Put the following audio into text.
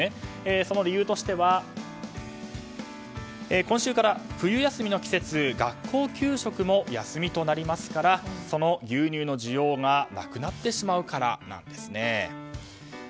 その理由として、今週から冬休みの季節で学校給食も休みとなりますからその牛乳の需要がなくなってしまうからなんですね。